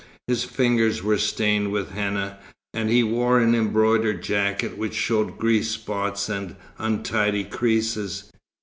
His fingers were stained with henna, and he wore an embroidered jacket which showed grease spots and untidy creases.